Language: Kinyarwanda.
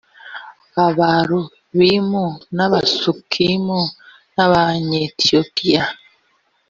abalubimu n abasukimu n abanyetiyopiya